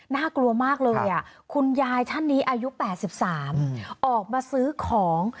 น่ากลัวมากเลยคุณยายท่านนี้อายุ๘๓ออกมาซื้อของ